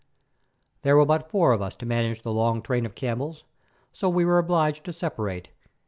There were but four of us to manage the long train of camels, so we were obliged to separate.